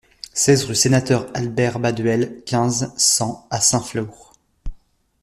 seize rue Sénateur Albert Baduel, quinze, cent à Saint-Flour